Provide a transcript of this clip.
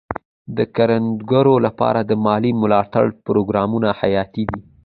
د کروندګرو لپاره د مالي ملاتړ پروګرامونه حیاتي دي.